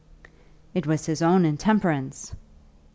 "It was his own intemperance!"